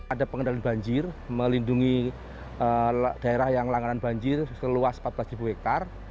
ada pengendalian banjir melindungi daerah yang langganan banjir seluas empat belas hektare